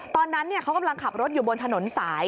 ตอนนั้นเขากำลังขับรถอยู่บนถนนสาย